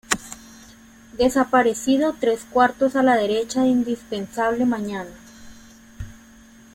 Desaparecido tres-cuartos ala derecha, indispensable mañana.